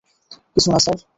কিছু না, স্যার।